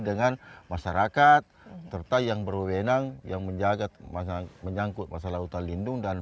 dengan masyarakat serta yang berwenang yang menjaga masalah menyangkut masalah hutan lindung dan